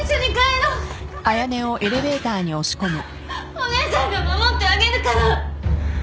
お姉ちゃんが守ってあげるから。